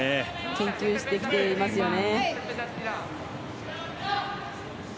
研究してきていますね。